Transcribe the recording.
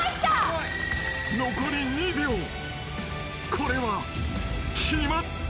［これは決まった］